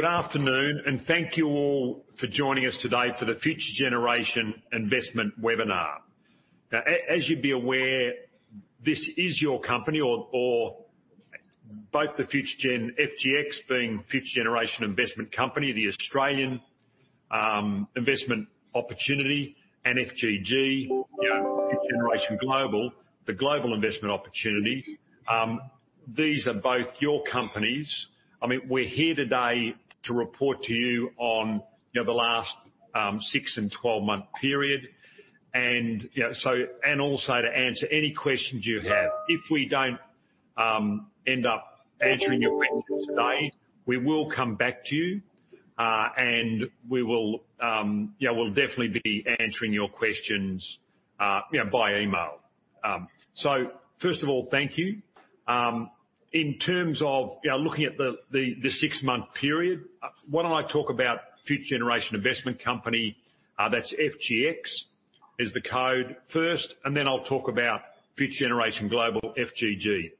Good afternoon, thank you all for joining us today for the Future Generation Investment webinar. As you'd be aware, this is your company or both the Future Gen, FGX, being Future Generation Investment Company, the Australian investment opportunity, and FGG, Future Generation Global, the global investment opportunity. These are both your companies. We're here today to report to you on the last six and 12-month period and also to answer any questions you have. If we don't end up answering your questions today, we will come back to you, and we'll definitely be answering your questions by email. First of all, thank you. In terms of looking at the six-month period, why don't I talk about Future Generation Investment Company, that's FGX is the code first, and then I'll talk about Future Generation Global, FGG.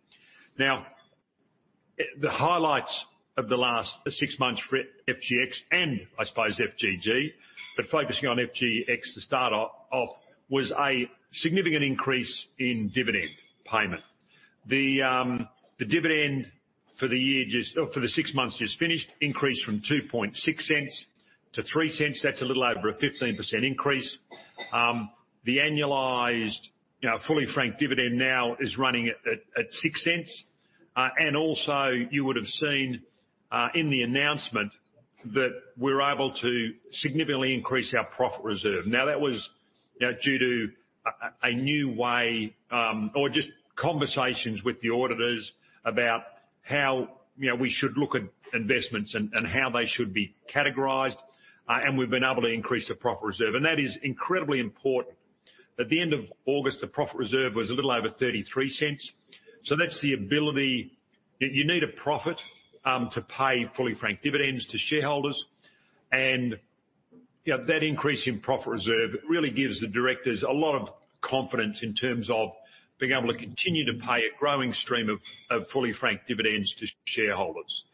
The highlights of the last six months for FGX, and I suppose FGG, but focusing on FGX to start off, was a significant increase in dividend payment. The dividend for the six months just finished increased from 0.026 to 0.03. That's a little over a 15% increase. The annualized fully franked dividend now is running at 0.06. Also you would've seen in the announcement that we're able to significantly increase our profit reserve. That was due to a new way or just conversations with the auditors about how we should look at investments and how they should be categorized. We've been able to increase the profit reserve, and that is incredibly important. At the end of August, the profit reserve was a little over 0.33. That's the ability. You need a profit to pay fully franked dividends to shareholders. That increase in profit reserve really gives the directors a lot of confidence in terms of being able to continue to pay a growing stream of fully franked dividends to shareholders.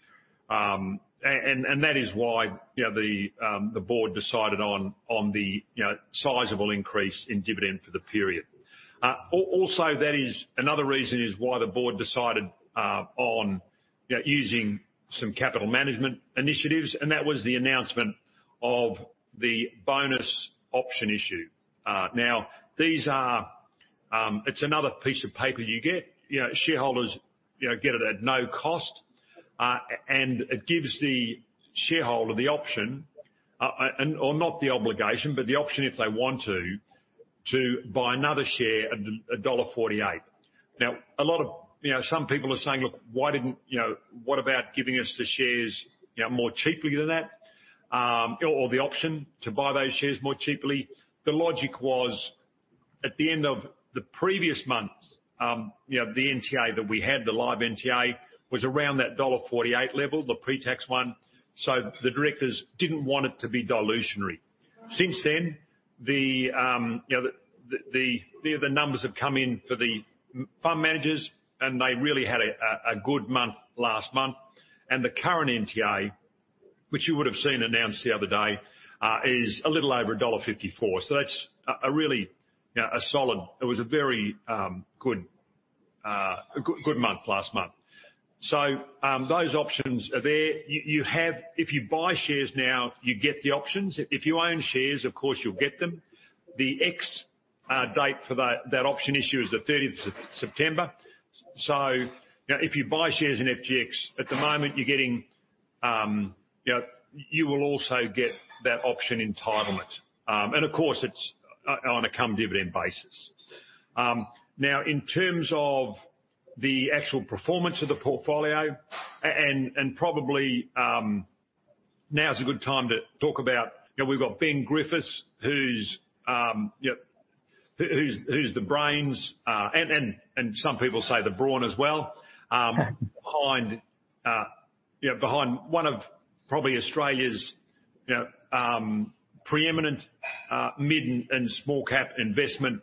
That is why the board decided on the sizable increase in dividend for the period. That is another reason why the board decided on using some capital management initiatives. That was the announcement of the bonus option issue. It's another piece of paper you get. Shareholders get it at no cost. It gives the shareholder the option, or not the obligation, but the option if they want to buy another share at dollar 1.48. Some people are saying, "Look, what about giving us the shares more cheaply than that? Or the option to buy those shares more cheaply?" The logic was, at the end of the previous month, the NTA that we had, the live NTA, was around that dollar 1.48 level, the pre-tax one. The directors didn't want it to be dilutionary. Since then, the numbers have come in for the fund managers. They really had a good month last month. The current NTA, which you would've seen announced the other day, is a little over dollar 1.54. It was a very good month last month. Those options are there. If you buy shares now, you get the options. If you own shares, of course, you'll get them. The ex-date for that option issue is the 30th of September. If you buy shares in FGX at the moment, you will also get that option entitlement. Of course, it's on a cum dividend basis. In terms of the actual performance of the portfolio, and probably now's a good time to talk about, we've got Ben Griffiths, who's the brains, and some people say the brawn as well behind one of probably Australia's preeminent mid and small-cap investment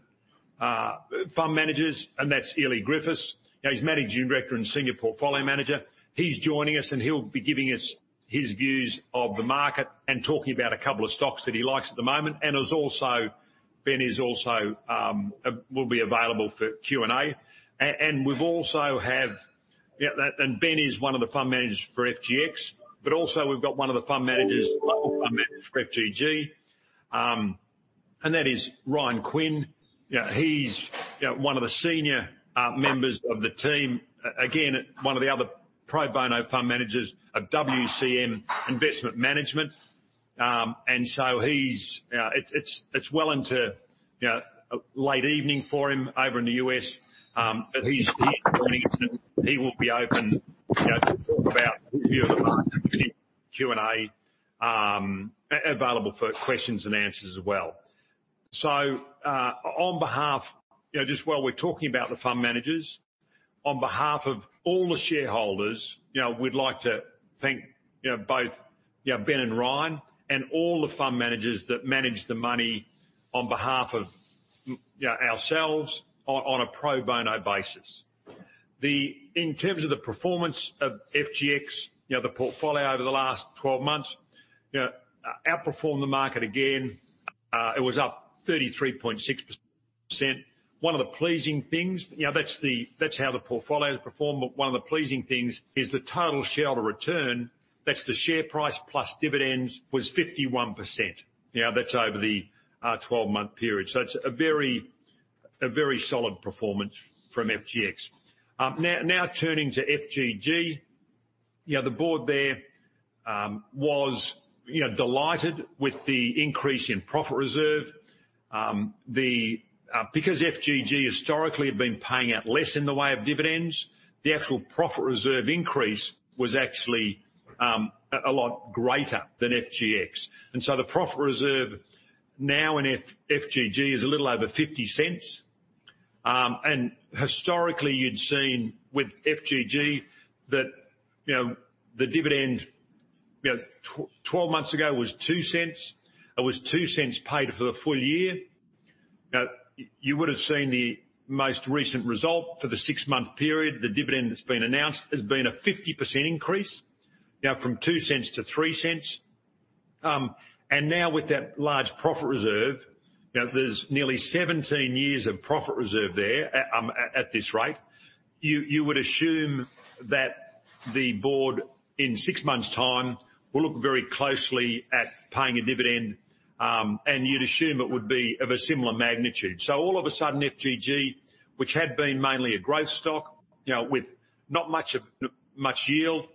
fund managers, and that's Eley Griffiths. He's Managing Director and Senior Portfolio Manager. He's joining us, and he'll be giving us his views of the market and talking about a couple of stocks that he likes at the moment. Ben will be available for Q&A. Ben is one of the fund managers for FGX, but also we've got one of the fund managers for FGG, and that is Ryan Quinn. He's one of the senior members of the team, again, one of the other pro bono fund managers of WCM Investment Management. It's well into late evening for him over in the U.S., but he's joining us, and he will be open to talk about his view of the market in Q&A, available for questions and answers as well. While we're talking about the fund managers, on behalf of all the shareholders, we'd like to thank both Ben and Ryan and all the fund managers that manage the money on behalf of ourselves on a pro bono basis. In terms of the performance of FGX, the portfolio over the last 12 months, outperformed the market again. It was up 33.6%. One of the pleasing things, that's how the portfolio has performed, but one of the pleasing things is the total shareholder return. That's the share price plus dividends was 51%. That's over the 12-month period. It's a very solid performance from FGX. Turning to FGG. The board there was delighted with the increase in profit reserve. FGG historically had been paying out less in the way of dividends, the actual profit reserve increase was actually a lot greater than FGX. The profit reserve now in FGG is a little over 0.50. Historically, you'd seen with FGG that the dividend 12 months ago was 0.02. It was 0.02 paid for the full year. You would've seen the most recent result for the six-month period. The dividend that's been announced has been a 50% increase, from 0.02 to 0.03. Now with that large profit reserve, there's nearly 17 years of profit reserve there at this rate. You would assume that the board in six months' time will look very closely at paying a dividend, and you'd assume it would be of a similar magnitude. All of a sudden, FGG, which had been mainly a growth stock, with not much yield,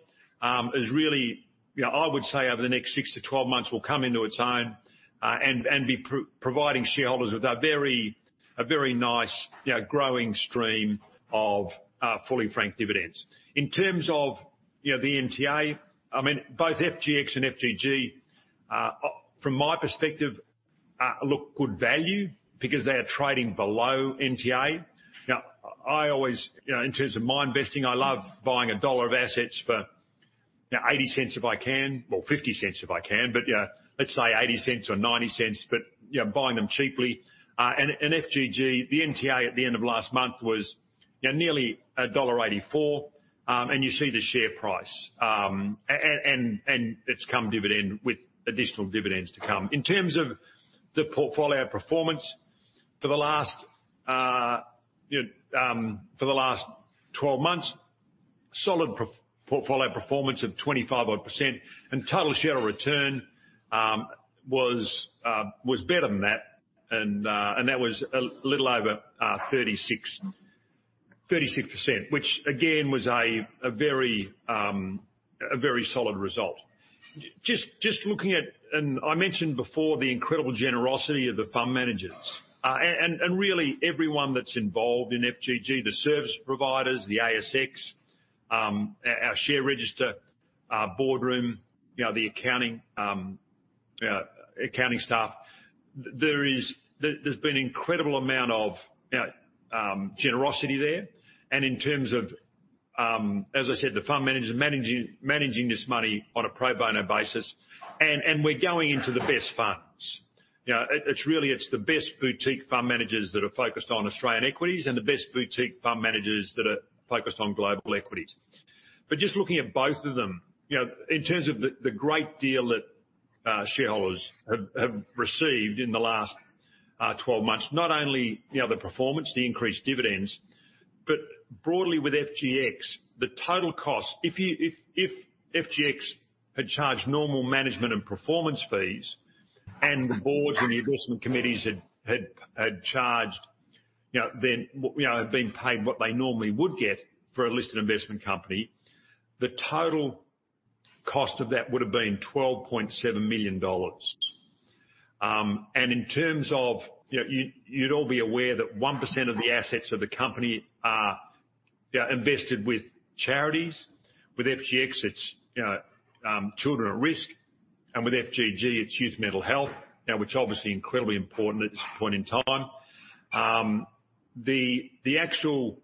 is really, I would say over the next six to 12 months will come into its own, and be providing shareholders with a very nice growing stream of fully franked dividends. In terms of the NTA, both FGX and FGG, from my perspective, look good value because they are trading below NTA. In terms of my investing, I love buying AUD 1 of assets for 0.80 if I can, or 0.50 if I can, but let's say 0.80 or 0.90, but buying them cheaply. FGG, the NTA at the end of last month was nearly dollar 1.84, and you see the share price. It's come dividend with additional dividends to come. In terms of the portfolio performance for the last 12 months, solid portfolio performance of 25%, total shareholder return was better than that was a little over 36%, which again, was a very solid result. Just looking at, I mentioned before the incredible generosity of the fund managers, really everyone that's involved in FGG, the service providers, the ASX, our share register, Boardroom, the accounting staff. There's been incredible amount of generosity there, in terms of, as I said, the fund managers managing this money on a pro bono basis, we're going into the best funds. It's the best boutique fund managers that are focused on Australian equities and the best boutique fund managers that are focused on global equities. Just looking at both of them, in terms of the great deal that shareholders have received in the last 12 months. Not only the performance, the increased dividends, but broadly with FGX, the total cost. If FGX had charged normal management and performance fees, and the boards and the investment committees had been paid what they normally would get for a listed investment company, the total cost of that would've been 12.7 million dollars. In terms of, you'd all be aware that 1% of the assets of the company are invested with charities. With FGX, it's children at risk, with FGG, it's youth mental health, which obviously incredibly important at this point in time. The actual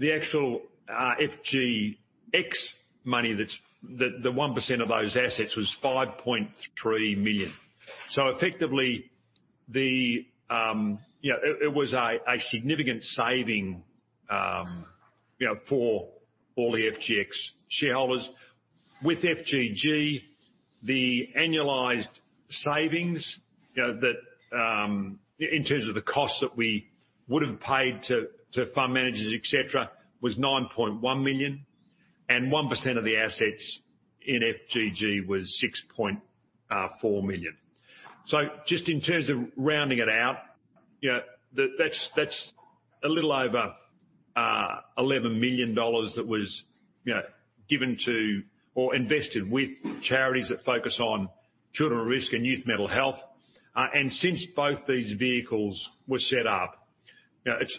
FGX money, the 1% of those assets was 5.3 million. Effectively, it was a significant saving for all the FGX shareholders. With FGG, the annualized savings in terms of the cost that we would've paid to fund managers, et cetera, was 9.1 million, and 1% of the assets in FGG was 6.4 million. Just in terms of rounding it out, that's a little over 11 million dollars that was given to or invested with charities that focus on children at risk and youth mental health. Since both these vehicles were set up, it's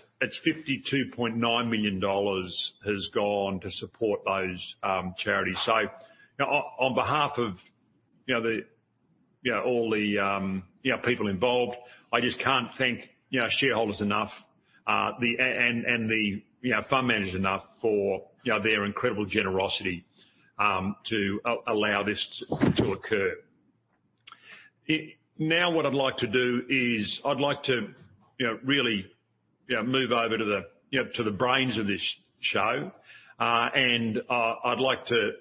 52.9 million dollars has gone to support those charities. On behalf of all the people involved, I just can't thank shareholders enough, and the fund managers enough for their incredible generosity to allow this to occur. What I'd like to do is, I'd like to really move over to the brains of this show. I'd like to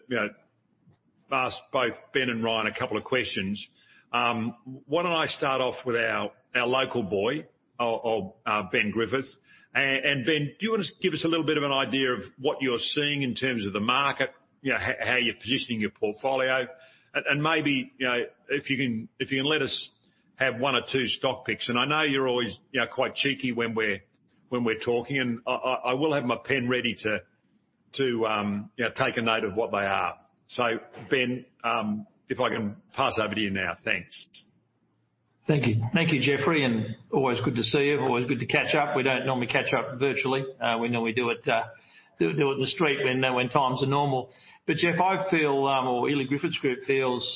ask both Ben and Ryan a couple of questions. Why don't I start off with our local boy, Ben Griffiths. Ben, do you want to give us a little bit of an idea of what you're seeing in terms of the market, how you're positioning your portfolio? Maybe, if you can let us have one or two stock picks. I know you're always quite cheeky when we're talking, and I will have my pen ready to take a note of what they are. Ben, if I can pass over to you now. Thanks. Thank you. Thank you, Geoffrey. Always good to see you. Always good to catch up. We don't normally catch up virtually. We normally do it in the street when times are normal. Geoff, I feel, or Eley Griffiths Group feels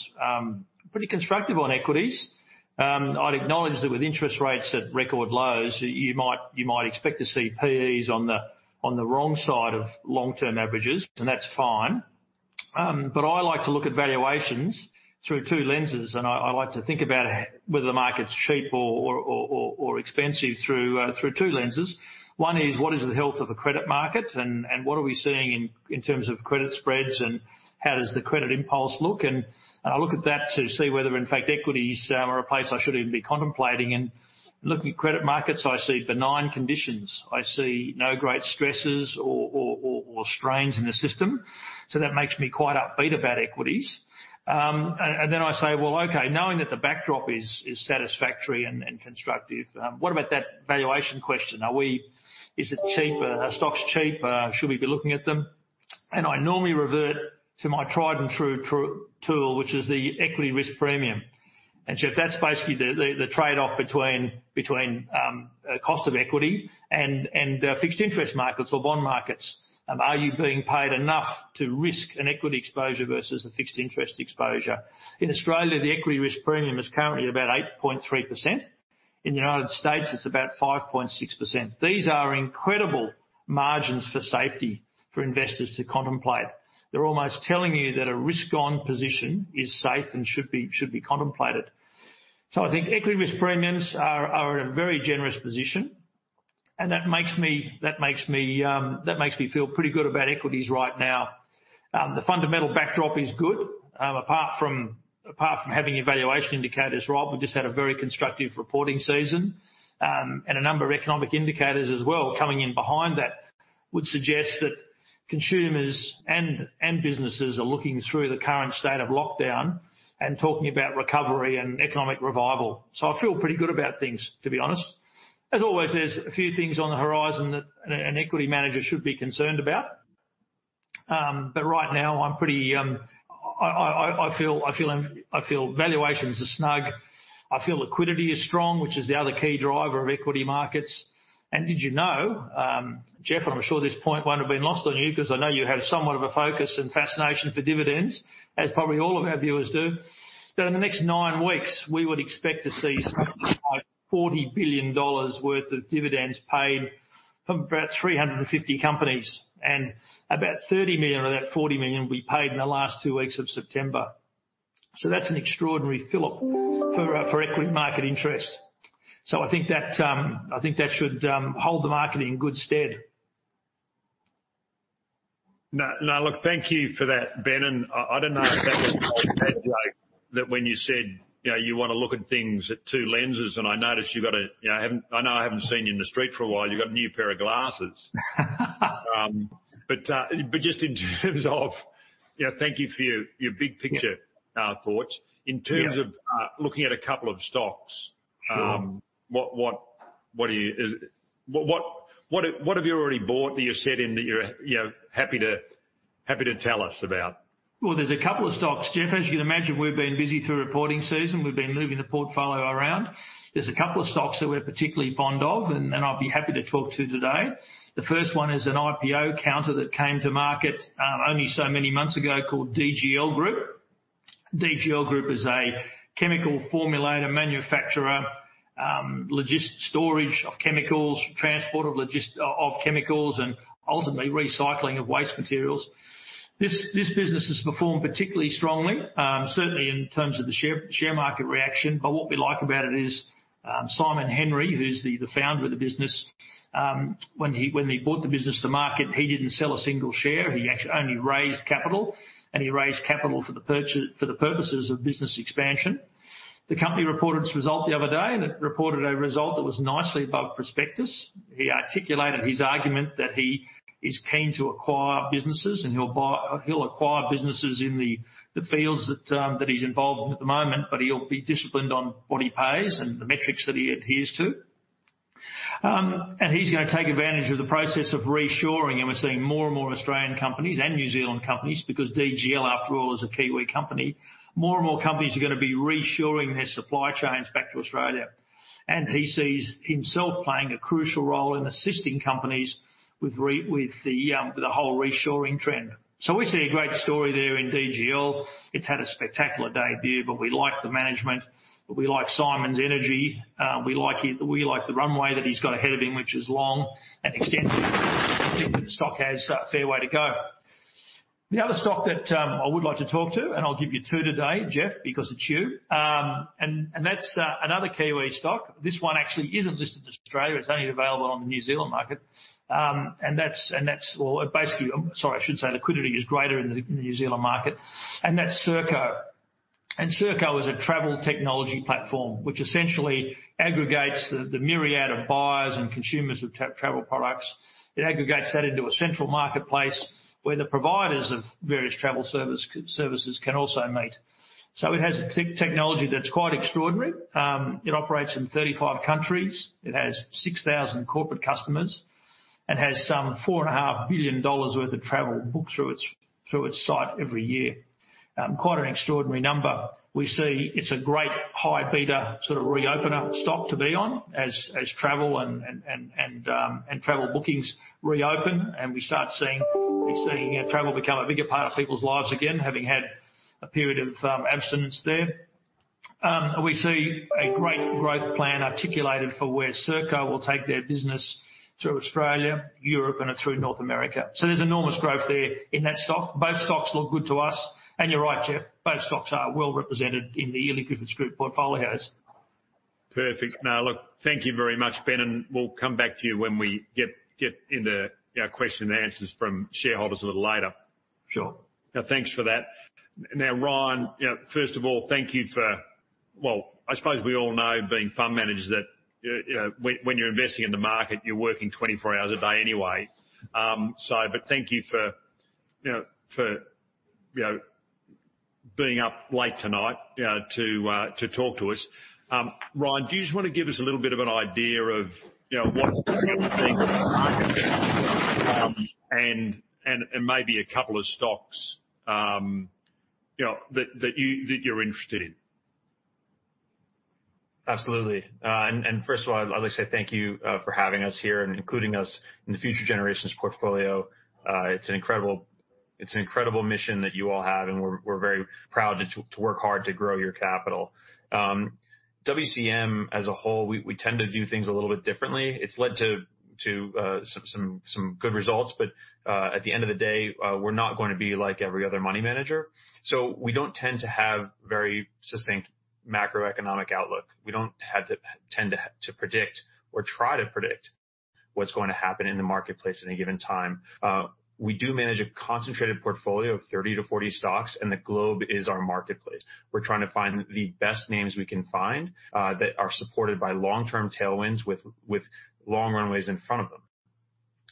pretty constructive on equities. I'd acknowledge that with interest rates at record lows, you might expect to see PEs on the wrong side of long-term averages. That's fine. I like to look at valuations through two lenses. I like to think about whether the market's cheap or expensive through two lenses. One is what is the health of the credit market and what are we seeing in terms of credit spreads and how does the credit impulse look? I look at that to see whether in fact equities are a place I should even be contemplating. Looking at credit markets, I see benign conditions. I see no great stresses or strains in the system. That makes me quite upbeat about equities. Then I say, well, okay, knowing that the backdrop is satisfactory and constructive, what about that valuation question? Are stocks cheap? Should we be looking at them? I normally revert to my tried and true tool, which is the equity risk premium. Geoff, that's basically the trade-off between cost of equity and fixed interest markets or bond markets. Are you being paid enough to risk an equity exposure versus a fixed interest exposure? In Australia, the equity risk premium is currently about 8.3%. In the United States, it's about 5.6%. These are incredible margins for safety for investors to contemplate. They're almost telling you that a risk-on position is safe and should be contemplated. I think equity risk premiums are at a very generous position, and that makes me feel pretty good about equities right now. The fundamental backdrop is good apart from having your valuation indicators right. We just had a very constructive reporting season, and a number of economic indicators as well coming in behind that would suggest that consumers and businesses are looking through the current state of lockdown and talking about recovery and economic revival. I feel pretty good about things, to be honest. As always, there's a few things on the horizon that an equity manager should be concerned about. Right now, I feel valuations are snug. I feel liquidity is strong, which is the other key driver of equity markets. Did you know, Geoff, I'm sure this point won't have been lost on you because I know you have somewhat of a focus and fascination for dividends, as probably all of our viewers do. In the next nine weeks, we would expect to see something like 40 billion dollars worth of dividends paid from about 350 companies. About 30 million of that 40 million will be paid in the last two weeks of September. That's an extraordinary fill-up for equity market interest. I think that should hold the market in good stead. Now look, thank you for that, Ben. I don't know if that was that when you said you want to look at things at two lenses. I know I haven't seen you in the street for a while. You've got a new pair of glasses. Thank you for your big picture thoughts. Yeah. In terms of looking at a couple of stocks. Sure What have you already bought that you said in that you're happy to tell us about? There's a couple of stocks, Geoff. As you can imagine, we've been busy through reporting season. We've been moving the portfolio around. There's a couple of stocks that we're particularly fond of, and I'd be happy to talk to today. The first one is an IPO counter that came to market only so many months ago called DGL Group. DGL Group is a chemical formulator, manufacturer, storage of chemicals, transport of chemicals, and ultimately recycling of waste materials. This business has performed particularly strongly, certainly in terms of the share market reaction. What we like about it is, Simon Henry, who's the founder of the business, when he brought the business to market, he didn't sell a single share. He actually only raised capital, and he raised capital for the purposes of business expansion. The company reported its result the other day, and it reported a result that was nicely above prospectus. He articulated his argument that he is keen to acquire businesses, and he'll acquire businesses in the fields that he's involved in at the moment, but he'll be disciplined on what he pays and the metrics that he adheres to. He's going to take advantage of the process of reshoring, and we're seeing more and more Australian companies and New Zealand companies, because DGL, after all, is a Kiwi company. More and more companies are going to be reshoring their supply chains back to Australia. He sees himself playing a crucial role in assisting companies with the whole reshoring trend. We see a great story there in DGL. It's had a spectacular debut, but we like the management. We like Simon's energy. We like the runway that he's got ahead of him, which is long and extensive. The stock has a fair way to go. The other stock that I would like to talk to, and I'll give you two today, Geoff, because it's you, and that's another Kiwi stock. This one actually isn't listed in Australia. It's only available on the New Zealand market. Sorry, I should say liquidity is greater in the New Zealand market, and that's Serko. Serko is a travel technology platform which essentially aggregates the myriad of buyers and consumers of travel products. It aggregates that into a central marketplace where the providers of various travel services can also meet. It has technology that's quite extraordinary. It operates in 35 countries. It has 6,000 corporate customers and has some 4.5 billion dollars worth of travel booked through its site every year. Quite an extraordinary number. We see it's a great high beta sort of reopener stock to be on as travel and travel bookings reopen, and we start seeing travel become a bigger part of people's lives again, having had a period of abstinence there. We see a great growth plan articulated for where Serko will take their business through Australia, Europe, and through North America. There's enormous growth there in that stock. Both stocks look good to us, and you're right, Geoff, both stocks are well represented in the Eley Griffiths Group portfolio house. Perfect. Look, thank you very much, Ben, and we'll come back to you when we get into our question and answers from shareholders a little later. Sure. Now, thanks for that. Now, Ryan, first of all, thank you for, well, I suppose we all know being fund managers that when you're investing in the market, you're working 24 hours a day anyway. Thank you for being up late tonight to talk to us. Ryan, do you just want to give us a little bit of an idea of what you think about the market and maybe a couple of stocks that you're interested in? Absolutely. First of all, I'd like to say thank you for having us here and including us in the Future Generation portfolio. It's an incredible mission that you all have, and we're very proud to work hard to grow your capital. WCM as a whole, we tend to do things a little bit differently. It's led to some good results, but at the end of the day, we're not going to be like every other money manager. We don't tend to have very succinct macroeconomic outlook. We don't tend to predict or try to predict what's going to happen in the marketplace at any given time. We do manage a concentrated portfolio of 30-40 stocks, and the globe is our marketplace. We're trying to find the best names we can find that are supported by long-term tailwinds with long runaways in front of them.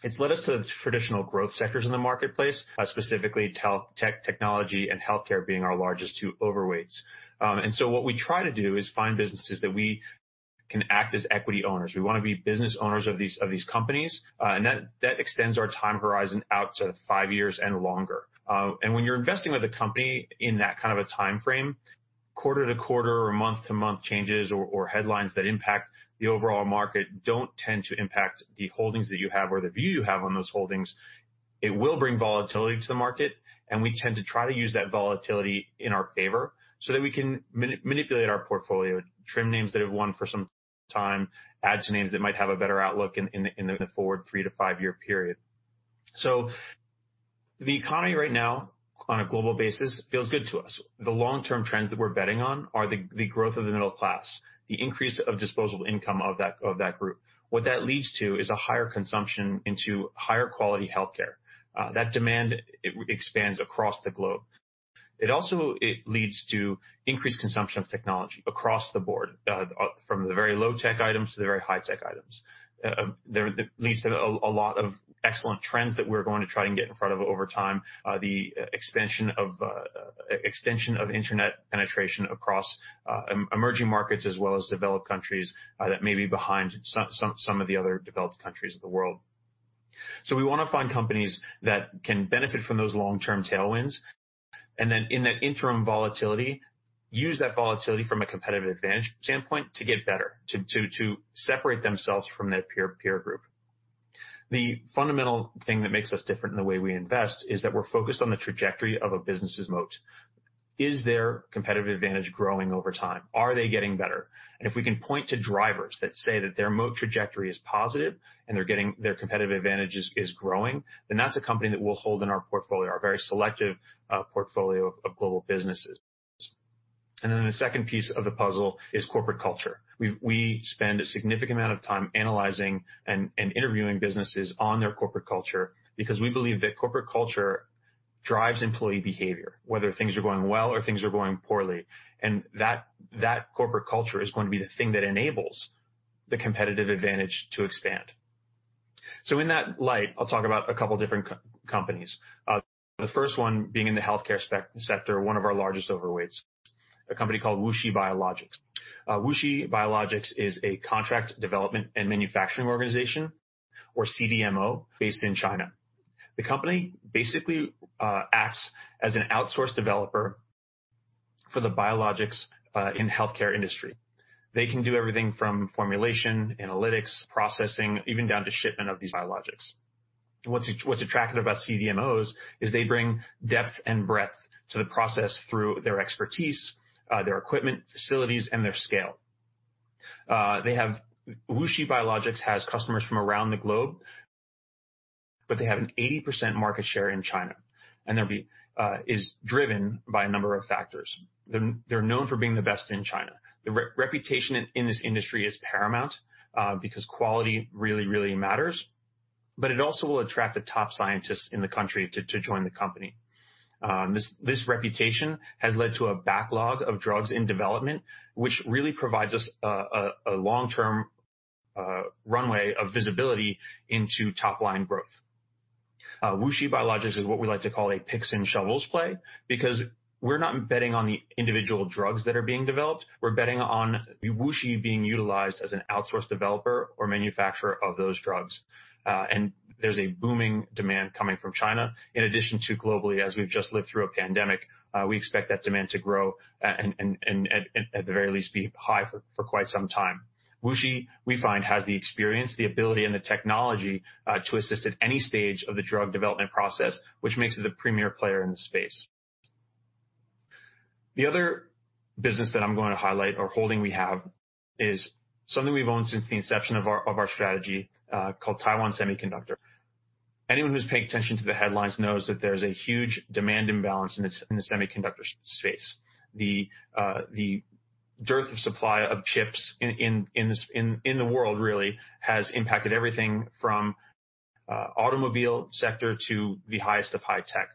It's led us to traditional growth sectors in the marketplace, specifically tech, technology and healthcare being our largest two overweights. What we try to do is find businesses that we can act as equity owners. We want to be business owners of these companies, and that extends our time horizon out to 5 years and longer. When you're investing with a company in that kind of a timeframe, quarter to quarter or month to month changes or headlines that impact the overall market don't tend to impact the holdings that you have or the view you have on those holdings. It will bring volatility to the market, and we tend to try to use that volatility in our favor so that we can manipulate our portfolio, trim names that have won for some time, add to names that might have a better outlook in the forward three to five year period. The economy right now, on a global basis, feels good to us. The long-term trends that we're betting on are the growth of the middle class, the increase of disposable income of that group. What that leads to is a higher consumption into higher quality healthcare. That demand expands across the globe. It also leads to increased consumption of technology across the board, from the very low-tech items to the very high-tech items. There leads to a lot of excellent trends that we're going to try and get in front of over time. The extension of internet penetration across emerging markets as well as developed countries that may be behind some of the other developed countries of the world. We want to find companies that can benefit from those long-term tailwinds, and then in that interim volatility, use that volatility from a competitive advantage standpoint to get better, to separate themselves from their peer group. The fundamental thing that makes us different in the way we invest is that we're focused on the trajectory of a business's moat. Is their competitive advantage growing over time? Are they getting better? If we can point to drivers that say that their moat trajectory is positive and their competitive advantage is growing, then that's a company that we'll hold in our portfolio, our very selective portfolio of global businesses. The second piece of the puzzle is corporate culture. We spend a significant amount of time analyzing and interviewing businesses on their corporate culture because we believe that corporate culture drives employee behavior, whether things are going well or things are going poorly, and that corporate culture is going to be the thing that enables the competitive advantage to expand. In that light, I'll talk about a couple of different companies. The first one being in the healthcare sector, one of our largest overweights, a company called WuXi Biologics. WuXi Biologics is a Contract Development and Manufacturing Organization, or CDMO, based in China. The company basically acts as an outsource developer for the biologics in healthcare industry. They can do everything from formulation, analytics, processing, even down to shipment of these biologics. What's attractive about CDMOs is they bring depth and breadth to the process through their expertise, their equipment, facilities, and their scale. WuXi Biologics has customers from around the globe, but they have an 80% market share in China, and that is driven by a number of factors. They're known for being the best in China. The reputation in this industry is paramount, because quality really matters. It also will attract the top scientists in the country to join the company. This reputation has led to a backlog of drugs in development, which really provides us a long-term runway of visibility into top-line growth. WuXi Biologics is what we like to call a picks and shovels play, because we're not betting on the individual drugs that are being developed. We're betting on WuXi being utilized as an outsourced developer or manufacturer of those drugs. There's a booming demand coming from China. In addition to globally as we've just lived through a pandemic, we expect that demand to grow, and at the very least, be high for quite some time. WuXi, we find, has the experience, the ability, and the technology, to assist at any stage of the drug development process, which makes it a premier player in the space. The other business that I'm going to highlight or holding we have is something we've owned since the inception of our strategy, called Taiwan Semiconductor. Anyone who's paying attention to the headlines knows that there's a huge demand imbalance in the semiconductor space. The dearth of supply of chips in the world really has impacted everything from automobile sector to the highest of high tech.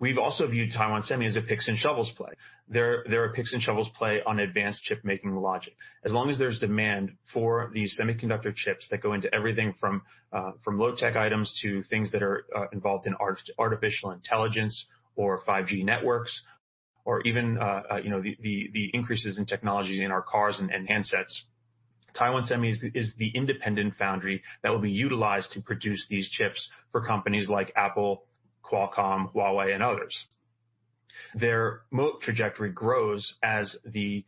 We've also viewed Taiwan Semi as a picks and shovels play. They're a picks and shovels play on advanced chip-making logic. As long as there's demand for these semiconductor chips that go into everything from low tech items to things that are involved in artificial intelligence or 5G networks or even the increases in technology in our cars and handsets, Taiwan Semi is the independent foundry that will be utilized to produce these chips for companies like Apple, Qualcomm, Huawei, and others. Their moat trajectory grows as the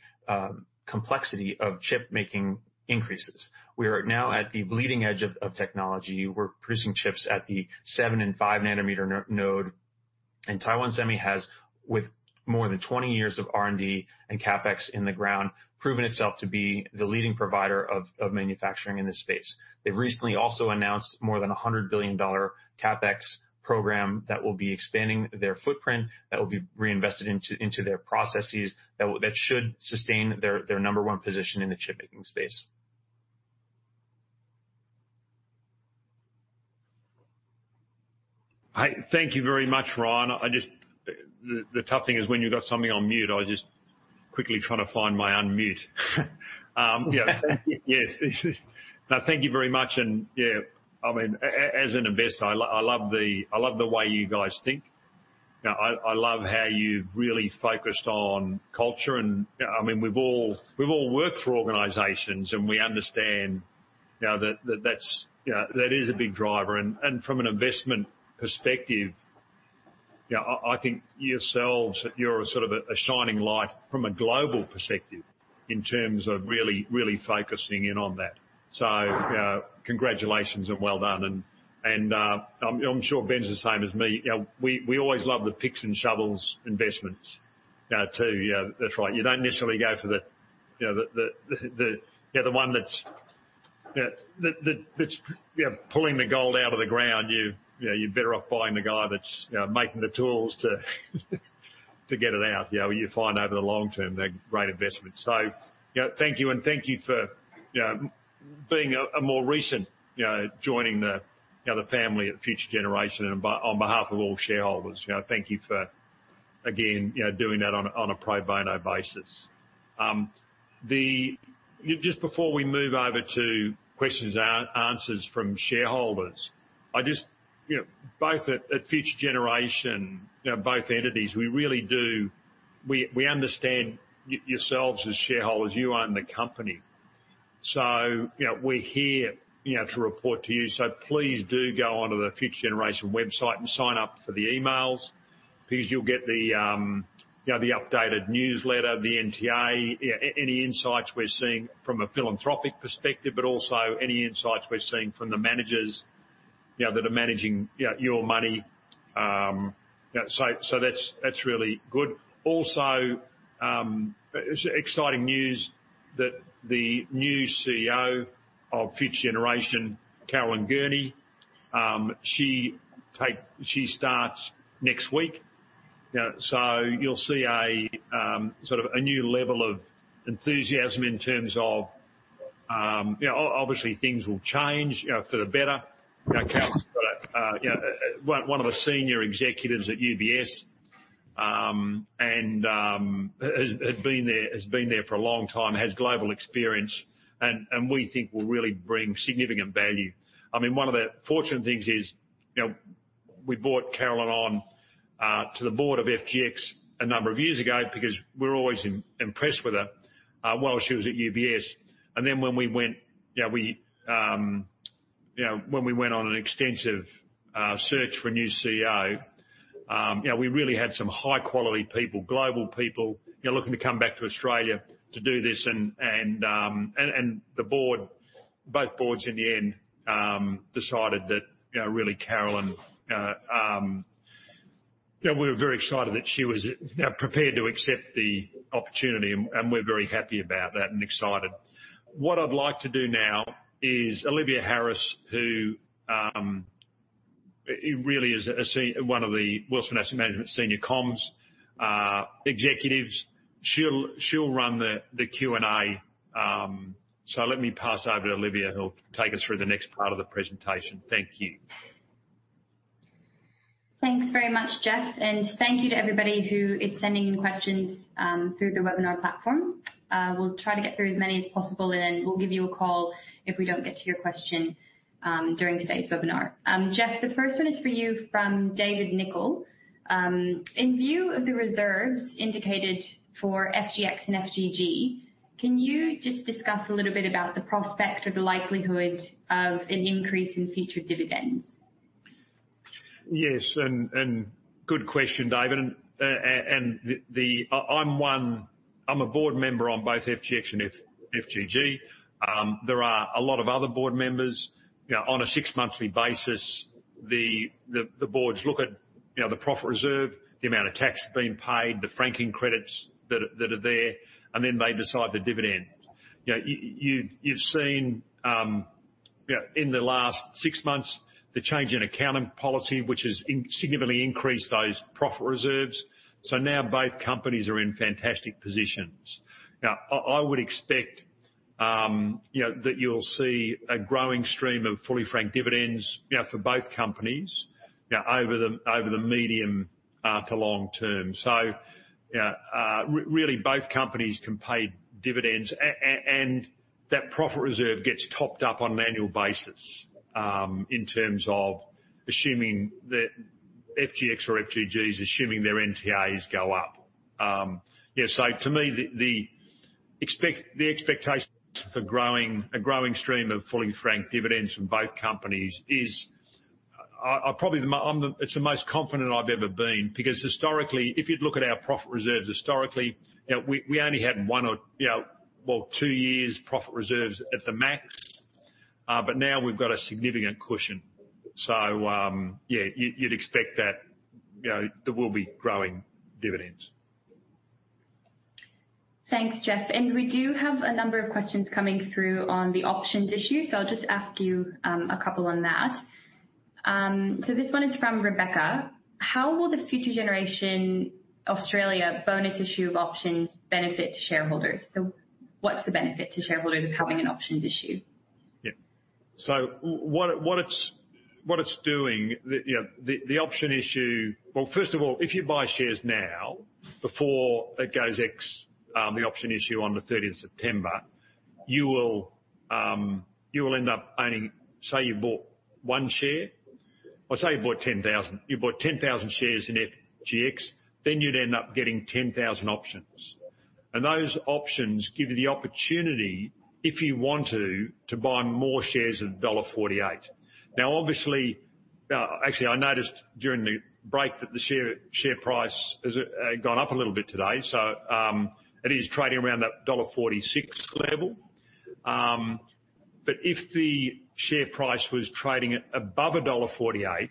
complexity of chip making increases. We are now at the bleeding edge of technology. We're producing chips at the 7 nm and 5 nm node. Taiwan Semi has, with more than 20 years of R&D and CapEx in the ground, proven itself to be the leading provider of manufacturing in this space. They've recently also announced more than 100 billion dollar CapEx program that will be expanding their footprint, that will be reinvested into their processes, that should sustain their number one position in the chip-making space. Thank you very much, Ryan. The tough thing is when you've got something on mute, I was just quickly trying to find my unmute. Yes. No, thank you very much. As an investor, I love the way you guys think. I love how you've really focused on culture, and we've all worked for organizations, and we understand that is a big driver. From an investment perspective, I think yourselves, you're a sort of a shining light from a global perspective in terms of really, really focusing in on that. Congratulations and well done. I'm sure Ben's the same as me. We always love the picks and shovels investments, too. That's right. You don't necessarily go for the one that's pulling the gold out of the ground. You're better off buying the guy that's making the tools to get it out. You find over the long term, they're great investments. Thank you, and thank you for being a more recent joining the family at Future Generation. On behalf of all shareholders, thank you for, again, doing that on a pro bono basis. Just before we move over to questions and answers from shareholders, both at Future Generation, both entities, we understand yourselves as shareholders. You own the company. We're here to report to you. Please do go onto the Future Generation website and sign up for the emails, because you'll get the updated newsletter, the NTA, any insights we're seeing from a philanthropic perspective, but also any insights we're seeing from the managers that are managing your money. That's really good. Also, exciting news that the new CEO of Future Generation, Caroline Gurney, she starts next week. You'll see a new level of enthusiasm in terms of, obviously things will change for the better. Caroline's one of the senior executives at UBS, and has been there for a long time, has global experience, and we think will really bring significant value. One of the fortunate things is we brought Caroline on to the board of FGX a number of years ago because we were always impressed with her while she was at UBS. When we went on an extensive search for a new CEO, we really had some high-quality people, global people looking to come back to Australia to do this, and both boards in the end decided that really Caroline, we were very excited that she was now prepared to accept the opportunity, and we're very happy about that and excited. What I'd like to do now is Olivia Harris, who really is one of the Wilson Asset Management senior comms executives. She'll run the Q&A. Let me pass over to Olivia, who'll take us through the next part of the presentation. Thank you. Thanks very much, Geoff. Thank you to everybody who is sending in questions through the webinar platform. We'll try to get through as many as possible, and we'll give you a call if we don't get to your question during today's webinar. Geoff, the first one is for you from David Nichol. In view of the reserves indicated for FGX and FGG, can you just discuss a little bit about the prospect or the likelihood of an increase in future dividends? Yes, and good question, David. I'm a board member on both FGX and FGG. There are a lot of other board members. On a six-monthly basis, the boards look at the profit reserve, the amount of tax being paid, the franking credits that are there, and then they decide the dividend. You've seen in the last six months the change in accounting policy, which has significantly increased those profit reserves. Now both companies are in fantastic positions. Now, I would expect that you'll see a growing stream of fully franked dividends for both companies over the medium to long term. Really both companies can pay dividends, and that profit reserve gets topped up on an annual basis in terms of assuming that FGX or FGG is assuming their NTAs go up. To me, the expectation for a growing stream of fully franked dividends from both companies is, it's the most confident I've ever been because historically, if you'd look at our profit reserves historically, we only had one or two years' profit reserves at the max. Now we've got a significant cushion. Yeah, you'd expect that there will be growing dividends. Thanks, Geoff. We do have a number of questions coming through on the options issue, I'll just ask you a couple on that. This one is from Rebecca: How will the Future Generation Australia bonus issue of options benefit shareholders? What's the benefit to shareholders of having an options issue? Yeah. What it's doing, the option issue. Well, first of all, if you buy shares now before it goes ex the option issue on the 3rd of September, you will end up owning, say you bought one share. Well, say you bought 10,000. You bought 10,000 shares in FGX, you'd end up getting 10,000 options. Those options give you the opportunity, if you want to buy more shares at dollar 1.48. Actually, I noticed during the break that the share price has gone up a little bit today, so it is trading around that dollar 1.46 level. If the share price was trading above dollar 1.48,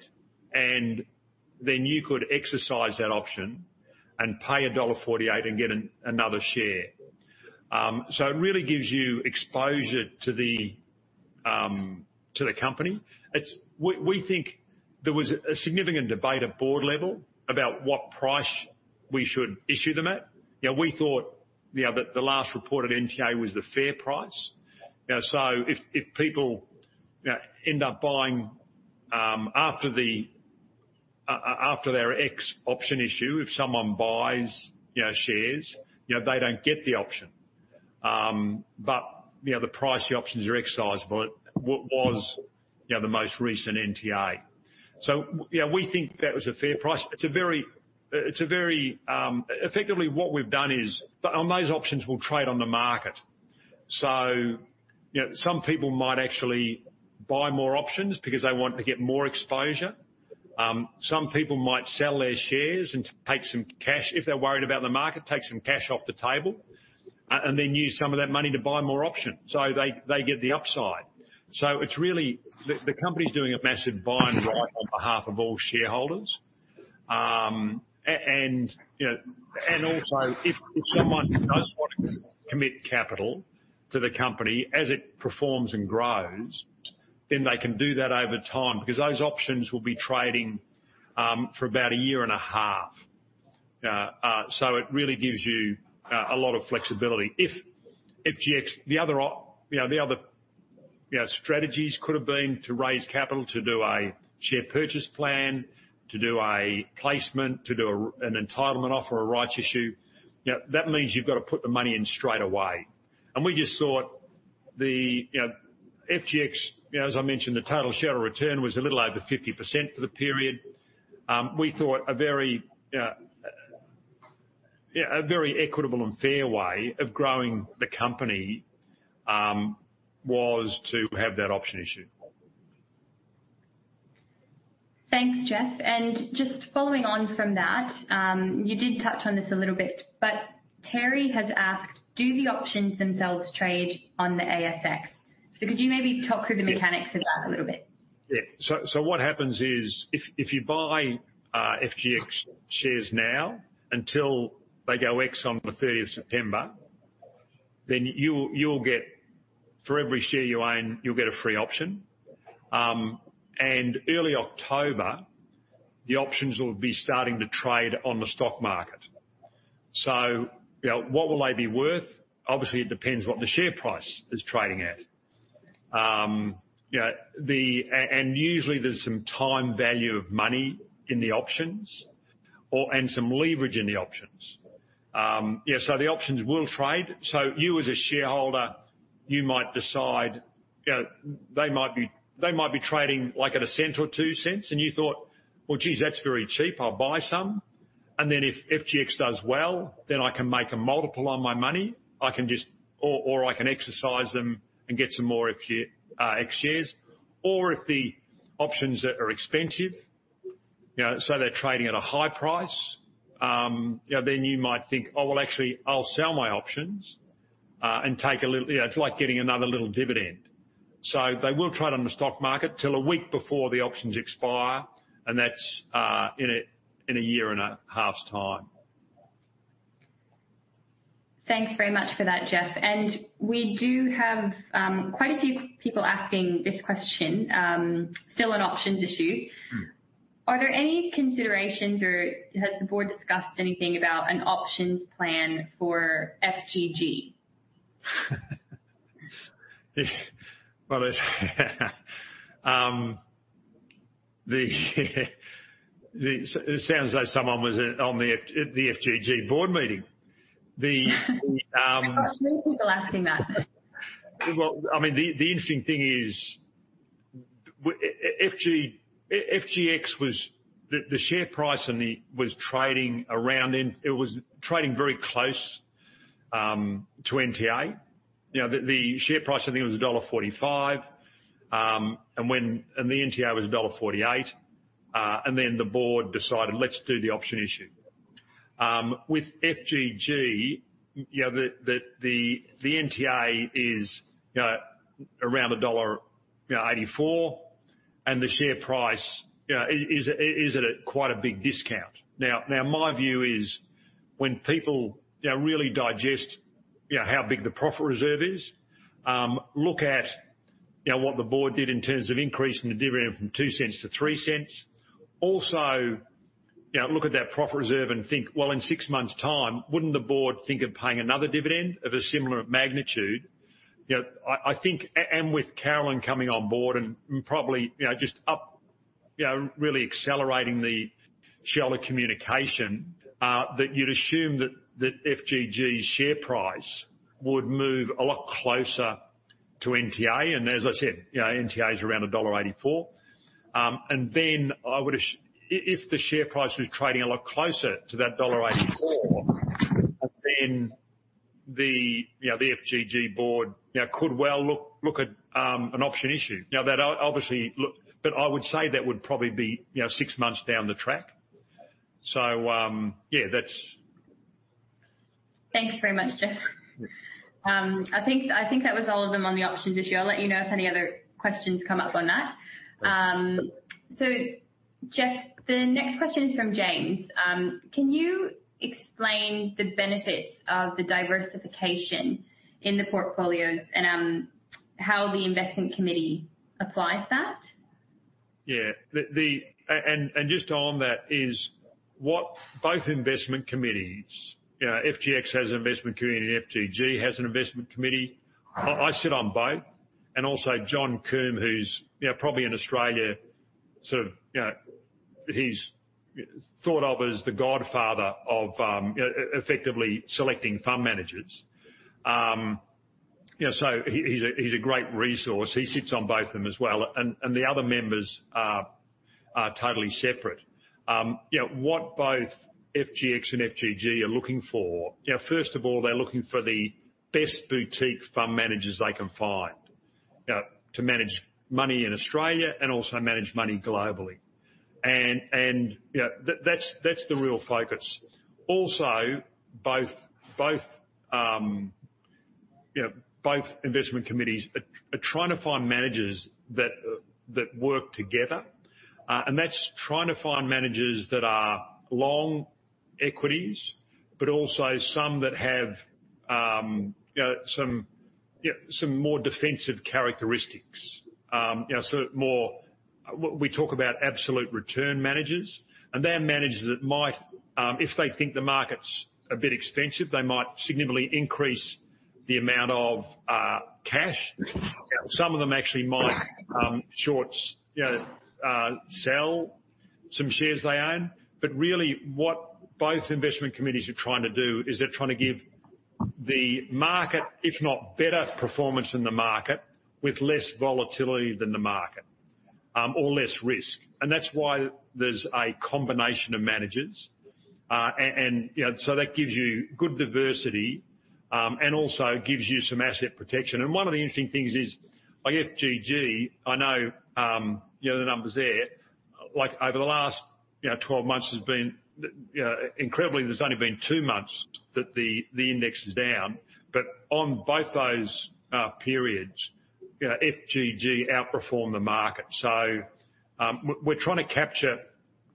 you could exercise that option and pay dollar 1.48 and get another share. It really gives you exposure to the company. There was a significant debate at board level about what price we should issue them at. We thought the last reported NTA was the fair price. If people end up buying after their ex-option issue, if someone buys shares, they don't get the option. The price the options are exercised by was the most recent NTA. We think that was a fair price. Effectively what we've done is, those options will trade on the market. Some people might actually buy more options because they want to get more exposure. Some people might sell their shares and take some cash, if they're worried about the market, take some cash off the table, and then use some of that money to buy more options. They get the upside. The company's doing a massive buy and ride on behalf of all shareholders. Also if someone does want to commit capital to the company as it performs and grows, then they can do that over time because those options will be trading for about a year and a half. It really gives you a lot of flexibility. The other strategies could have been to raise capital to do a share purchase plan, to do a placement, to do an entitlement offer, a rights issue. That means you've got to put the money in straight away. We just thought the FGX, as I mentioned, the total share of return was a little over 50% for the period. We thought a very equitable and fair way of growing the company was to have that option issued. Thanks, Geoff. Just following on from that, you did touch on this a little bit. Terry has asked, do the options themselves trade on the ASX? Could you maybe talk through the mechanics of that a little bit? What happens is, if you buy FGX shares now until they go ex on the 30th September, then for every share you own, you'll get a free option. Early October, the options will be starting to trade on the stock market. What will they be worth? Obviously, it depends what the share price is trading at. Usually there's some time value of money in the options and some leverage in the options. The options will trade. You as a shareholder, you might decide, they might be trading like at AUD 0.01 or 0.02 and you thought, "Well, geez, that's very cheap. I'll buy some." If FGX does well, I can make a multiple on my money. I can exercise them and get some more FGX shares. If the options are expensive, so they're trading at a high price, then you might think, "Oh, well, actually I'll sell my options," it's like getting another little dividend. They will trade on the stock market till a week before the options expire, and that's in a year and a half's time. Thanks very much for that, Geoff. We do have quite a few people asking this question, still on options issue. Are there any considerations or has the board discussed anything about an options plan for FGG? It sounds like someone was on the FGG board meeting. There are many people asking that. Well, the interesting thing is, FGX, the share price was trading very close to NTA. The share price, I think it was dollar 1.45, and the NTA was dollar 1.48. The board decided, let's do the option issue. With FGG, the NTA is around 1.84 dollar and the share price is at quite a big discount. Now, my view is when people really digest how big the profit reserve is, look at what the board did in terms of increasing the dividend from 0.02 to 0.03. Also, look at that profit reserve and think, well, in six months' time, wouldn't the board think of paying another dividend of a similar magnitude? With Caroline coming on board and probably really accelerating the shareholder communication, that you'd assume that FGG's share price would move a lot closer to NTA, and as I said, NTA is around dollar 1.84. If the share price was trading a lot closer to that dollar 1.84, then the FGG board could well look at an option issue. I would say that would probably be six months down the track. Thanks very much, Geoff. I think that was all of them on the options issue. I will let you know if any other questions come up on that. Thanks. Geoff, the next question is from James. Can you explain the benefits of the diversification in the portfolios and how the investment committee applies that? Yeah. Just on that is what both investment committees, FGX has an investment committee and FGG has an investment committee. I sit on both. Also John Coombe, who's probably in Australia, sort of he's thought of as the godfather of effectively selecting fund managers. He's a great resource. He sits on both of them as well, and the other members are totally separate. What both FGX and FGG are looking for, first of all, they're looking for the best boutique fund managers they can find to manage money in Australia and also manage money globally. That's the real focus. Also, both investment committees are trying to find managers that work together. That's trying to find managers that are long equities, but also some that have some more defensive characteristics. We talk about absolute return managers, they are managers that might, if they think the market's a bit expensive, they might significantly increase the amount of cash. Some of them actually might short sell some shares they own. Really what both investment committees are trying to do is they're trying to give the market, if not better performance than the market, with less volatility than the market. Less risk. That's why there's a combination of managers. That gives you good diversity. Also gives you some asset protection. One of the interesting things is, FGG, I know the numbers there, over the last 12 months, incredibly, there's only been two months that the index is down. On both those periods, FGG outperformed the market. We're trying to capture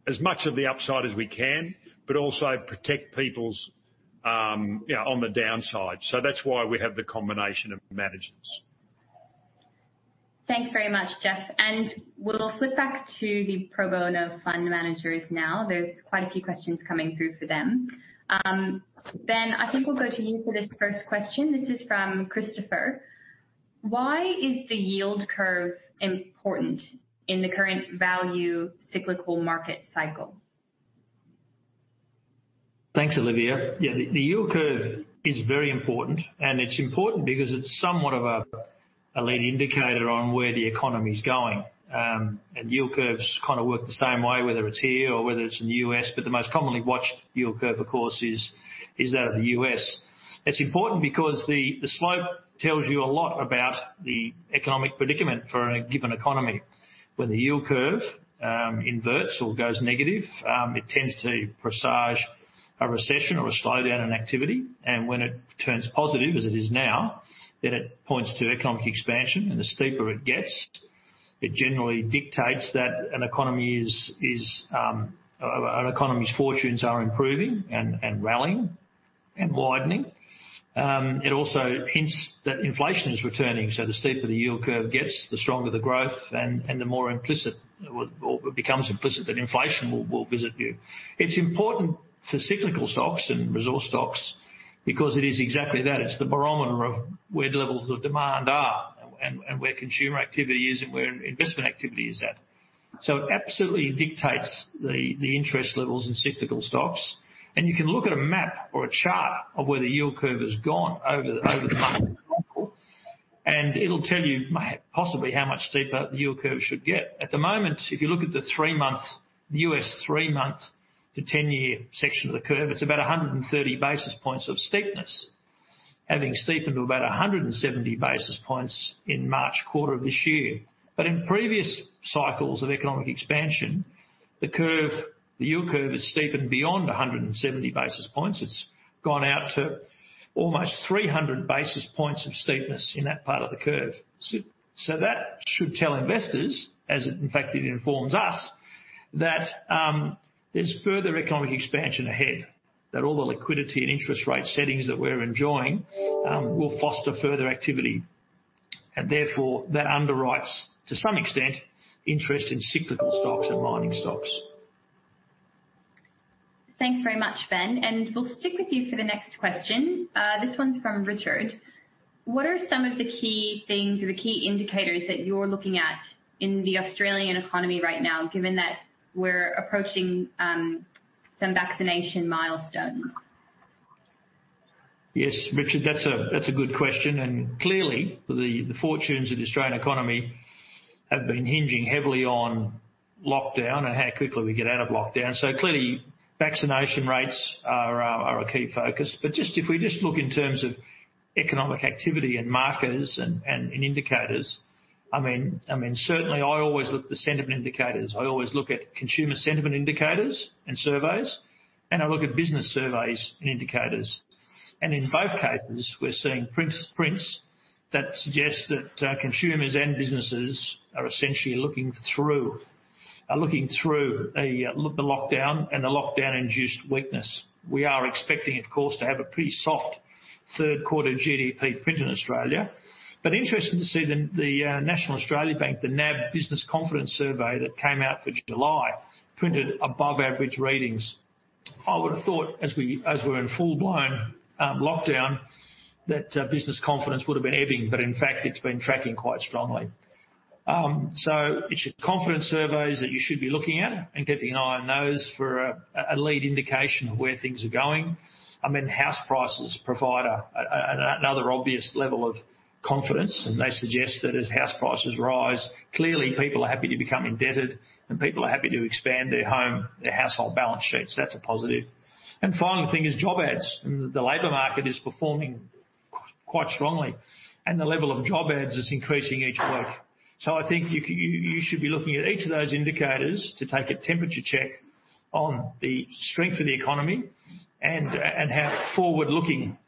as much of the upside as we can, but also protect people on the downside. That's why we have the combination of managers. Thanks very much, Geoff. We'll flip back to the pro bono fund managers now. There's quite a few questions coming through for them. Ben, I think we'll go to you for this first question. This is from Christopher: Why is the yield curve important in the current value cyclical market cycle? Thanks, Olivia. Yeah, the yield curve is very important, and it's important because it's somewhat of a lead indicator on where the economy's going. Yield curves kind of work the same way, whether it's here or whether it's in the U.S., but the most commonly watched yield curve, of course, is that of the U.S. It's important because the slope tells you a lot about the economic predicament for a given economy. When the yield curve inverts or goes negative, it tends to presage a recession or a slowdown in activity. When it turns positive, as it is now, then it points to economic expansion. The steeper it gets, it generally dictates that an economy's fortunes are improving and rallying and widening. It also hints that inflation is returning. The steeper the yield curve gets, the stronger the growth and the more implicit, or it becomes implicit that inflation will visit you. It's important for cyclical stocks and resource stocks because it is exactly that. It's the barometer of where the levels of demand are and where consumer activity is and where investment activity is at. It absolutely dictates the interest levels in cyclical stocks. You can look at a map or a chart of where the yield curve has gone over the money and it'll tell you possibly how much steeper the yield curve should get. At the moment, if you look at the U.S. three-month to 10-year section of the curve, it's about 130 basis points of steepness, having steepened to about 170 basis points in March quarter of this year. In previous cycles of economic expansion, the yield curve has steepened beyond 170 basis points. It's gone out to almost 300 basis points of steepness in that part of the curve. That should tell investors, as it in fact informs us, that there's further economic expansion ahead, that all the liquidity and interest rate settings that we're enjoying will foster further activity, and therefore that underwrites, to some extent, interest in cyclical stocks and mining stocks. Thanks very much, Ben. We'll stick with you for the next question. This one's from Richard. What are some of the key things or the key indicators that you're looking at in the Australian economy right now, given that we're approaching some vaccination milestones? Yes, Richard, that's a good question. Clearly the fortunes of the Australian economy have been hinging heavily on lockdown and how quickly we get out of lockdown. Clearly, vaccination rates are a key focus. If we just look in terms of economic activity and markers and indicators, certainly I always look at the sentiment indicators. I always look at consumer sentiment indicators and surveys. I look at business surveys and indicators. In both cases, we're seeing prints that suggest that consumers and businesses are essentially looking through the lockdown and the lockdown-induced weakness. We are expecting, of course, to have a pretty soft third quarter GDP print in Australia. Interesting to see the National Australia Bank, the NAB Business Confidence Survey that came out for July printed above average readings. I would've thought, as we're in full-blown lockdown, that business confidence would've been ebbing, in fact it's been tracking quite strongly. It's your confidence surveys that you should be looking at and keeping an eye on those for a lead indication of where things are going. House prices provide another obvious level of confidence, they suggest that as house prices rise, clearly people are happy to become indebted and people are happy to expand their household balance sheets. That's a positive. Final thing is job ads. The labor market is performing quite strongly, the level of job ads is increasing each week. I think you should be looking at each of those indicators to take a temperature check on the strength of the economy and how forward-looking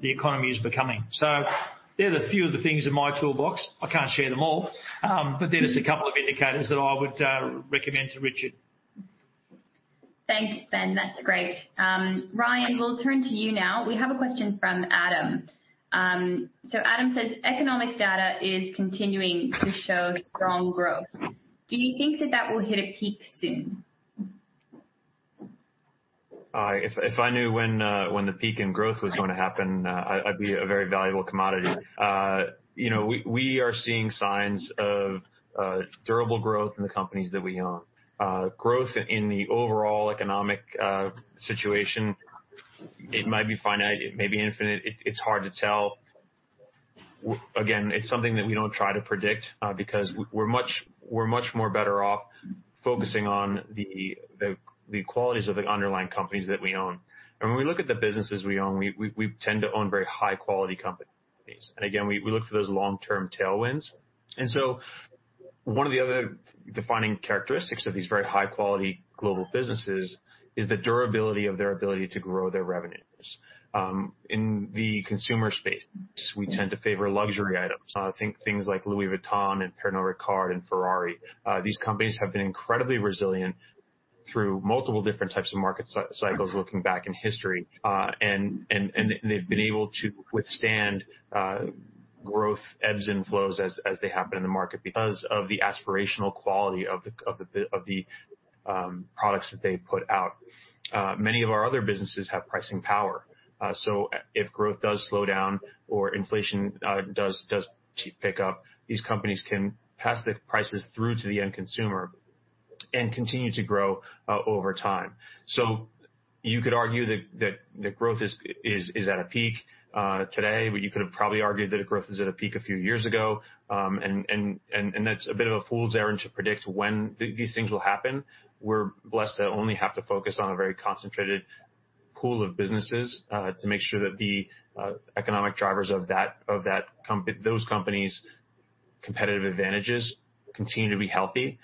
the economy is becoming. They're the few of the things in my toolbox. I can't share them all. They're just a couple of indicators that I would recommend to Richard. Thanks, Ben. That's great. Ryan, we'll turn to you now. We have a question from Adam. Adam says, "Economic data is continuing to show strong growth. Do you think that that will hit a peak soon? If I knew when the peak in growth was going to happen, I'd be a very valuable commodity. We are seeing signs of durable growth in the companies that we own. Growth in the overall economic situation, it might be finite, it may be infinite. It's hard to tell. Again, it's something that we don't try to predict because we're much more better off focusing on the qualities of the underlying companies that we own. When we look at the businesses we own, we tend to own very high-quality companies. Again, we look for those long-term tailwinds. One of the other defining characteristics of these very high-quality global businesses is the durability of their ability to grow their revenues. In the consumer space, we tend to favor luxury items. Think things like Louis Vuitton and Pernod Ricard and Ferrari. These companies have been incredibly resilient through multiple different types of market cycles looking back in history. They've been able to withstand growth ebbs and flows as they have been in the market because of the aspirational quality of the products that they put out. Many of our other businesses have pricing power. If growth does slow down or inflation does pick up, these companies can pass the prices through to the end consumer and continue to grow over time. You could argue that growth is at a peak today, but you could have probably argued that growth is at a peak a few years ago, and that's a bit of a fool's errand to predict when these things will happen. We're blessed to only have to focus on a very concentrated pool of businesses, to make sure that the economic drivers of those companies' competitive advantages continue to be healthy.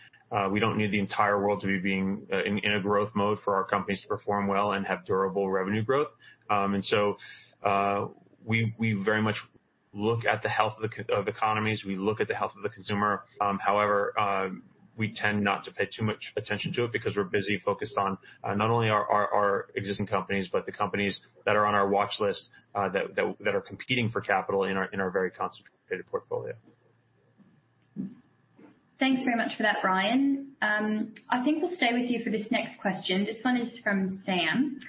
We don't need the entire world to be being in a growth mode for our companies to perform well and have durable revenue growth. We very much look at the health of economies. We look at the health of the consumer. However, we tend not to pay too much attention to it because we're busy focused on not only our existing companies, but the companies that are on our watch list, that are competing for capital in our very concentrated portfolio. Thanks very much for that, Ryan. I think we'll stay with you for this next question. This one is from Sam.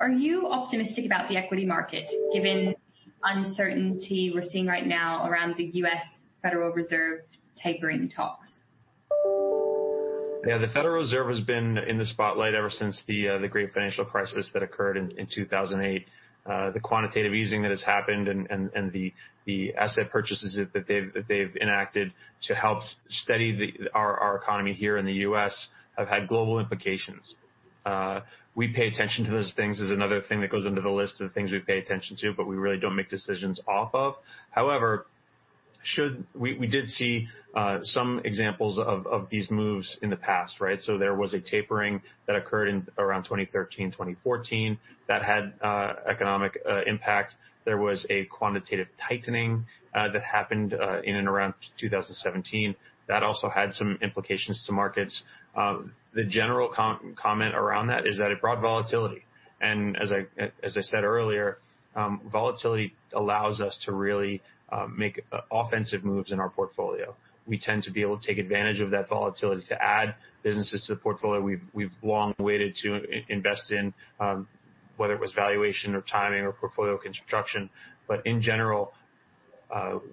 Are you optimistic about the equity market given uncertainty we're seeing right now around the U.S. Federal Reserve tapering talks? The Federal Reserve has been in the spotlight ever since the great financial crisis that occurred in 2008. The quantitative easing that has happened and the asset purchases that they've enacted to help steady our economy here in the U.S. have had global implications. We pay attention to those things, as another thing that goes under the list of things we pay attention to, but we really don't make decisions off of. However, we did see some examples of these moves in the past, right? There was a tapering that occurred around 2013, 2014, that had economic impact. There was a quantitative tightening that happened in and around 2017. That also had some implications to markets. The general comment around that is that it brought volatility, and as I said earlier, volatility allows us to really make offensive moves in our portfolio. We tend to be able to take advantage of that volatility to add businesses to the portfolio we've long waited to invest in, whether it was valuation or timing or portfolio construction. In general,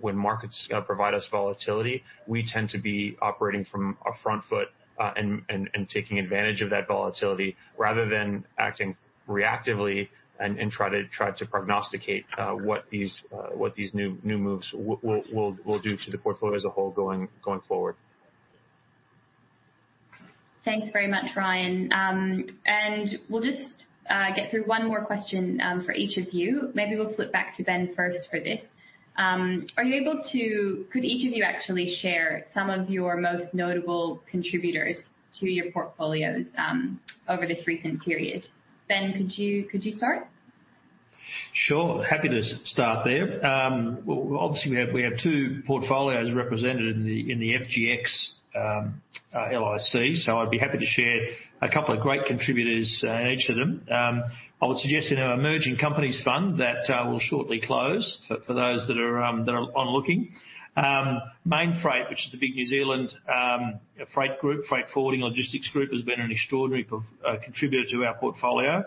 when markets provide us volatility, we tend to be operating from a front foot, and taking advantage of that volatility rather than acting reactively and try to prognosticate what these new moves will do to the portfolio as a whole going forward. Thanks very much, Ryan. We'll just get through one more question, for each of you. Maybe we'll flip back to Ben first for this. Could each of you actually share some of your most notable contributors to your portfolios over this recent period? Ben, could you start? Sure. Happy to start there. Obviously, we have two portfolios represented in the FGX LIC. I'd be happy to share a couple of great contributors in each of them. I would suggest in our EGG Emerging Companies Fund that will shortly close, for those that are on looking. Mainfreight, which is the big New Zealand freight group, freight forwarding logistics group, has been an extraordinary contributor to our portfolio.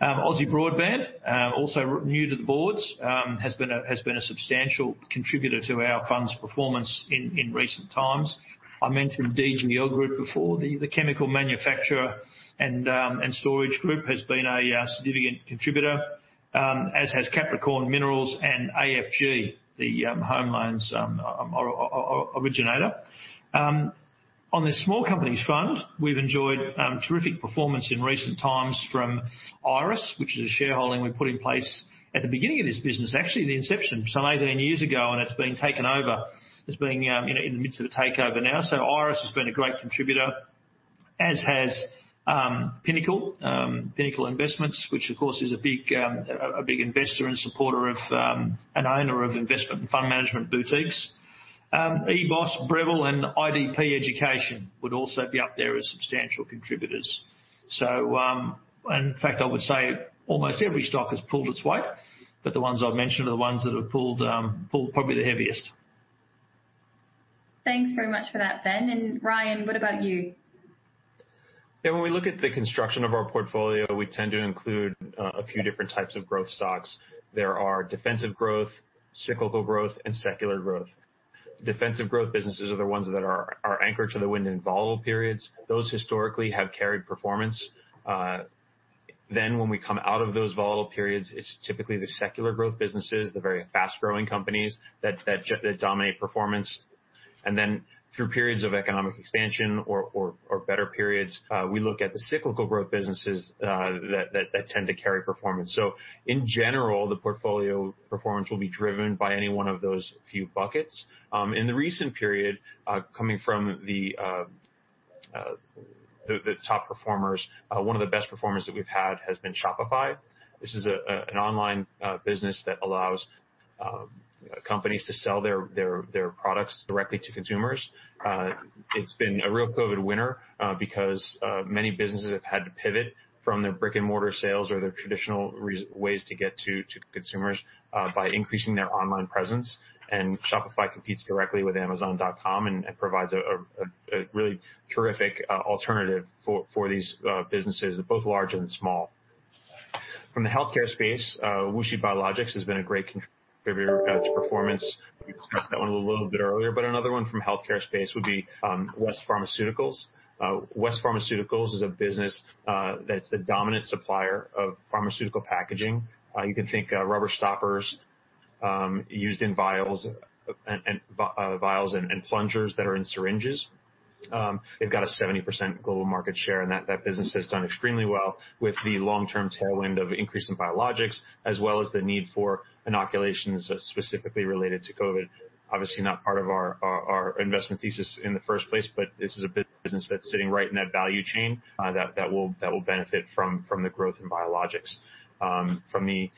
Aussie Broadband, also new to the boards, has been a substantial contributor to our fund's performance in recent times. I mentioned DGL Group before, the chemical manufacturer and storage group has been a significant contributor, as has Capricorn Metals and AFG, the home loans originator. On the Small Companies Fund, we've enjoyed terrific performance in recent times from Iress, which is a shareholding we put in place at the beginning of this business, actually the inception, some 18 years ago, and it is being taken over. It is being in the midst of a takeover now. Iress has been a great contributor, as has Pinnacle Investments, which of course is a big investor and supporter of, and owner of investment and fund management boutiques. EBOS, Breville and IDP Education would also be up there as substantial contributors. In fact, I would say almost every stock has pulled its weight, but the ones I have mentioned are the ones that have pulled probably the heaviest. Thanks very much for that, Ben. Ryan, what about you? When we look at the construction of our portfolio, we tend to include a few different types of growth stocks. There are defensive growth, cyclical growth, and secular growth. Defensive growth businesses are the ones that are anchored to the wind in volatile periods. Those historically have carried performance. When we come out of those volatile periods, it's typically the secular growth businesses, the very fast-growing companies that dominate performance. Through periods of economic expansion or better periods, we look at the cyclical growth businesses that tend to carry performance. In general, the portfolio performance will be driven by any one of those few buckets. In the recent period, coming from the top performers, one of the best performers that we've had has been Shopify. This is an online business that allows companies to sell their products directly to consumers. It's been a real COVID winner because many businesses have had to pivot from their brick-and-mortar sales or their traditional ways to get to consumers, by increasing their online presence. Shopify competes directly with Amazon.com and provides a really terrific alternative for these businesses, both large and small. From the healthcare space, WuXi Biologics has been a great contributor to performance. We discussed that one a little bit earlier, but another one from healthcare space would be West Pharmaceuticals. West Pharmaceuticals is a business that's the dominant supplier of pharmaceutical packaging. You can think rubber stoppers used in vials and plungers that are in syringes. They've got a 70% global market share, and that business has done extremely well with the long-term tailwind of increase in biologics, as well as the need for inoculations specifically related to COVID. Obviously, not part of our investment thesis in the first place, but this is a business that's sitting right in that value chain that will benefit from the growth in biologics. From the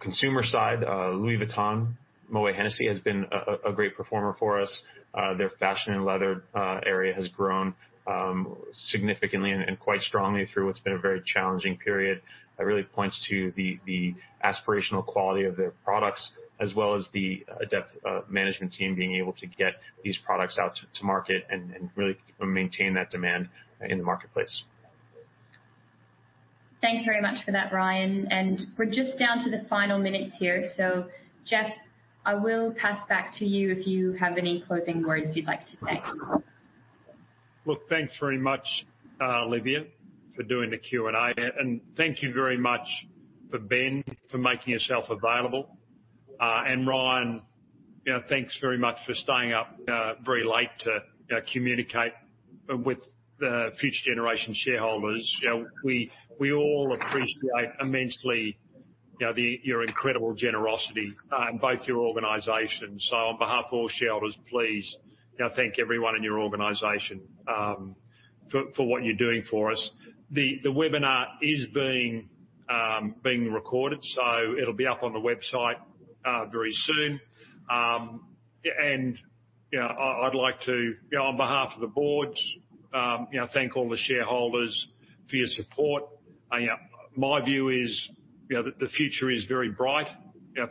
consumer side, Louis Vuitton Moët Hennessy has been a great performer for us. Their fashion and leather area has grown significantly and quite strongly through what's been a very challenging period. That really points to the aspirational quality of their products, as well as the adept management team being able to get these products out to market and really maintain that demand in the marketplace. Thanks very much for that, Ryan. We're just down to the final minutes here. Geoff, I will pass back to you if you have any closing words you'd like to say. Well, thanks very much, Olivia, for doing the Q&A. Thank you very much for Ben for making yourself available. Ryan, thanks very much for staying up very late to communicate with the Future Generation shareholders. We all appreciate immensely your incredible generosity in both your organizations. On behalf of all shareholders, please thank everyone in your organization for what you're doing for us. The webinar is being recorded, so it'll be up on the website very soon. I'd like to, on behalf of the board, thank all the shareholders for your support. My view is the future is very bright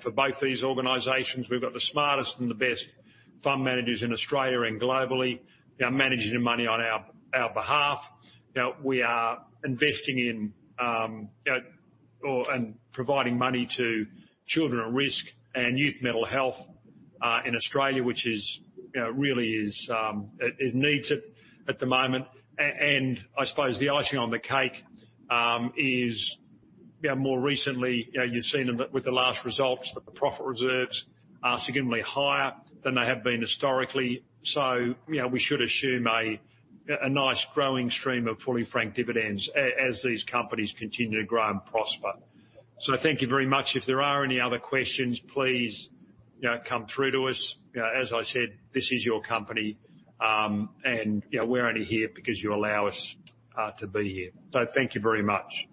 for both these organizations. We've got the smartest and the best fund managers in Australia and globally managing money on our behalf. We are investing in and providing money to children at risk and youth mental health, in Australia, which really needs it at the moment. I suppose the icing on the cake is more recently, you've seen with the last results that the profit reserves are significantly higher than they have been historically. We should assume a nice growing stream of fully franked dividends as these companies continue to grow and prosper. Thank you very much. If there are any other questions, please come through to us. As I said, this is your company, and we're only here because you allow us to be here. Thank you very much.